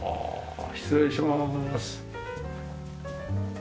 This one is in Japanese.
失礼します。